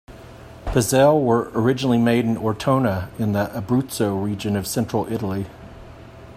Pizzelle were originally made in Ortona, in the Abruzzo region of central Italy.